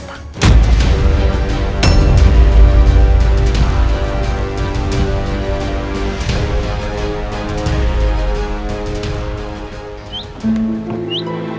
aku harus pergi dulu